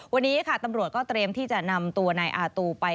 วันนี้ค่ะตำรวจก็เตรียมที่จะนำตัวนายอาตูไป